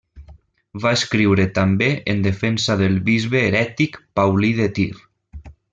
Va escriure també en defensa del bisbe herètic Paulí de Tir.